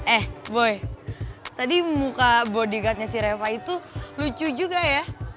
eh boy tadi muka bodi guardnya si reva itu lucu juga ya